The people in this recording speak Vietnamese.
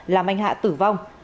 làm anh hạ tử vong